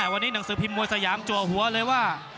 วันนี้หนังสือพิมพ์มวยสยามจัวหัวเลยว่า